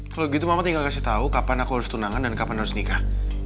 kalau gitu mama tinggal kasih tahu kapan aku harus tunangan dan kapan harus nikah